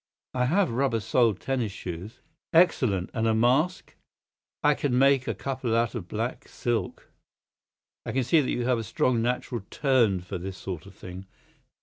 "I have rubber soled tennis shoes." "Excellent. And a mask?" "I can make a couple out of black silk." "I can see that you have a strong natural turn for this sort of thing.